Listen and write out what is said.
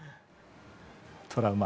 トラウマ。